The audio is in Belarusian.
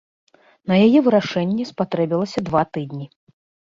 На яе вырашэнне спатрэбілася два тыдні.